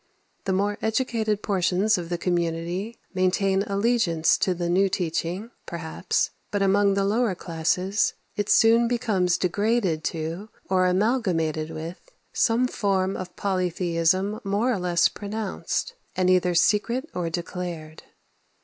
The more educated portions of the community maintain allegiance to the new teaching, perhaps; but among the lower classes it soon becomes degraded to, or amalgamated with, some form of polytheism more or less pronounced, and either secret or declared.